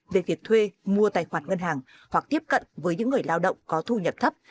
về việc thuê mua tài khoản ngân hàng hoặc tiếp cận với những người lao động có thu nhập thấp